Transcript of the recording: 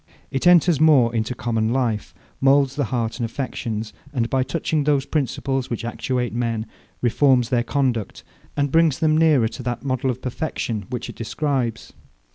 It enters more into common life; moulds the heart and affections; and, by touching those principles which actuate men, reforms their conduct, and brings them nearer to that model of perfection which it describes.